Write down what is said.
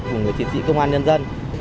của người chiến sĩ công an nhân dân